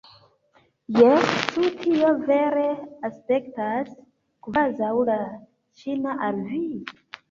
Jes, ĉu tio vere aspektas kvazaŭ la ĉina al vi?